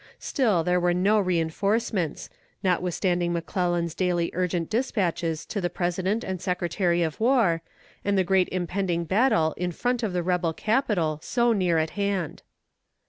Still there were no reinforcements, notwithstanding McClellan's daily urgent despatches to the President and Secretary of War, and the great impending battle in front of the rebel Capital so near at hand.